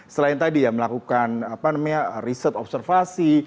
selain tadi ya melakukan apa namanya riset observasi